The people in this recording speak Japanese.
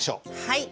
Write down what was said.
はい。